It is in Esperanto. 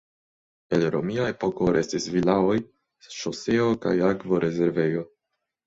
El romia epoko restis vilaoj, ŝoseo, kaj akvorezervejo.